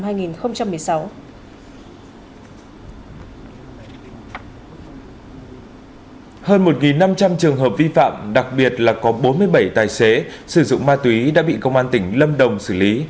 hơn một năm trăm linh trường hợp vi phạm đặc biệt là có bốn mươi bảy tài xế sử dụng ma túy đã bị công an tỉnh lâm đồng xử lý